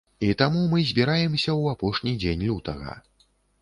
І таму мы збіраемся ў апошні дзень лютага.